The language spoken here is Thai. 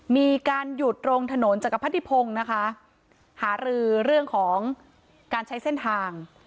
มีการหยุดตรงถนนจักรพรรดิพงศ์นะคะหารือเรื่องของการใช้เส้นทาง